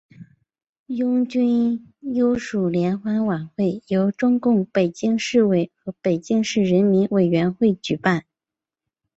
拥军优属联欢晚会由中共北京市委和北京市人民委员会举办。